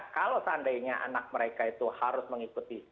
kalau seandainya anak mereka itu harus mengikuti